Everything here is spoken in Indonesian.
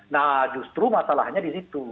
nah justru masalahnya di situ